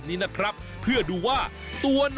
วันนี้พาลงใต้สุดไปดูวิธีของชาวเล่น